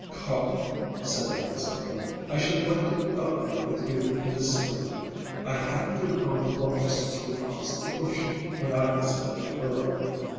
"Carl," said Alexandra, "I should like to go up there with you in the spring. I haven't been on the water since we crossed the ocean, when I was a little girl.